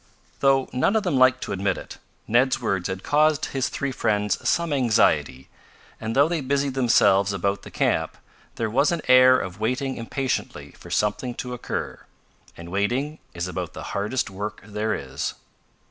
Though none of them liked to admit it, Ned's words had caused his three friends some anxiety, and though they busied themselves about the camp there was an air of waiting impatiently for something to occur. And waiting is about the hardest work there is.